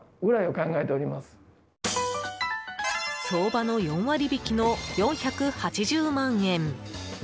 相場の４割引きの４８０万円。